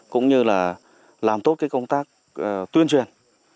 cũng như là làm tốt công tác tuyên truyền